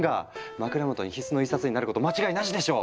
枕元に必須の１冊になること間違いなしでしょう！